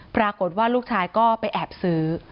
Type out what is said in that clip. ปรากฏว่าลูกชายก็ไปแอบซื้อ